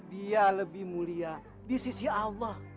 dia lebih mulia di sisi allah